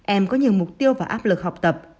em có nhiều mục tiêu và áp lực học tập